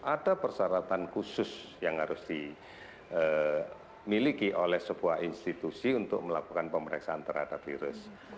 ada persyaratan khusus yang harus dimiliki oleh sebuah institusi untuk melakukan pemeriksaan terhadap virus